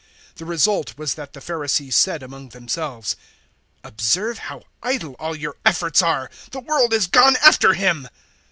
012:019 The result was that the Pharisees said among themselves, "Observe how idle all your efforts are! The world is gone after him!"